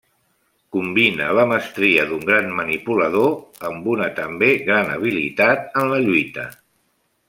Combina la mestria d'un gran manipulador amb una també gran habilitat en la lluita.